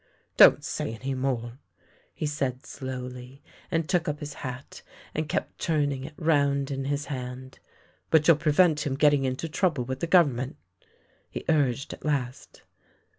"" Don't say any more," he said slowly, and took up his hat, and kept turning it round in his hand. " But you'll prevent him getting into trouble with the Gover' ment? " he urged at last.